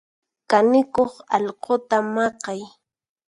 Kanikuq alquta maqay.